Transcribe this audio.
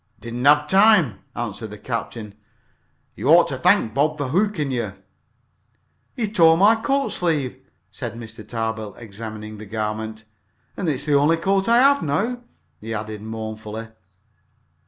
"Didn't have time," answered the captain. "You ought to thank Bob for hooking you." "He tore my coat sleeve," said Mr. Tarbill, examining the garment. "And it's the only coat I have now," he added mournfully.